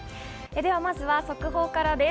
では、まずは速報からです。